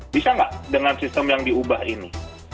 bisa nggak dengan sistem yang diubah ini